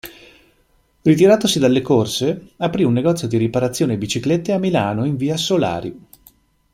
Ritiratosi dalle corse aprì un negozio di riparazione biciclette a Milano in via Solari.